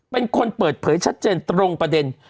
เมิดเผยชัดเจนตรงประเด็น